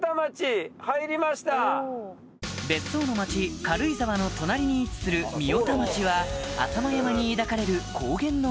別荘の町軽井沢の隣に位置する御代田町は浅間山に抱かれる高原の